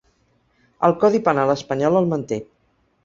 El codi penal espanyol el manté.